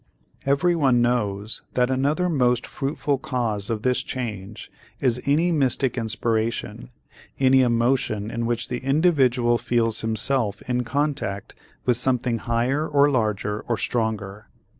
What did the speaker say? Everyone knows that another most fruitful cause of this change is any mystic inspiration, any emotion in which the individual feels himself in contact with something higher or larger or stronger.